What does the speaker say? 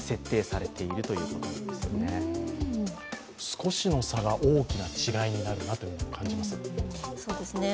少しの差が大きな違いになるなと感じます。